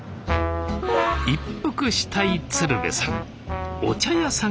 一服したい鶴瓶さん。